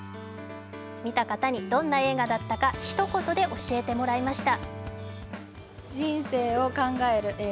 見た方に、どんな映画だったかひと言で教えてもらいました。